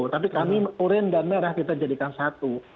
tapi kami urine dan merah kita jadikan satu